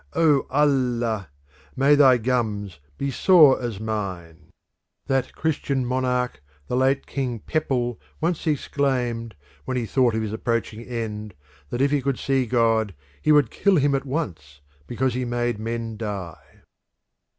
O Allah! May thy gums be sore as mine!" That Christian monarch the late King Peppel once exclaimed, when he thought of his approaching end, that if he could see God he would kill him at once because he made men die.